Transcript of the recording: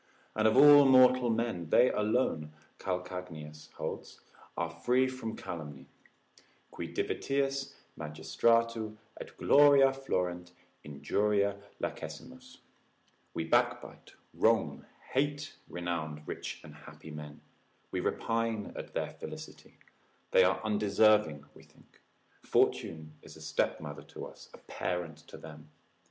And of all mortal men they alone (Calcagninus holds) are free from calumny; qui divitiis, magistratu et gloria florent, injuria lacessimus, we backbite, wrong, hate renowned, rich, and happy men, we repine at their felicity, they are undeserving we think, fortune is a stepmother to us, a parent to them.